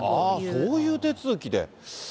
そういう手続きで。